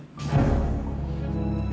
kau mau pergi